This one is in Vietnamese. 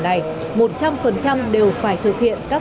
đây có thể là